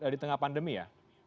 di tengah pandemi ya